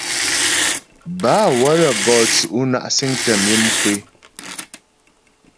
Bâ wə́lə́ gɔ tsʉ' na' siŋtə myə mkwé.